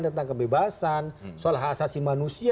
tentang kebebasan soal hak asasi manusia